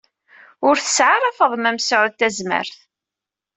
Ur tesɛi ara Faḍma Mesɛud tazmert.